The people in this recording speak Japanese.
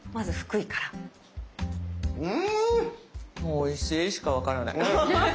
おいしいしかわからない。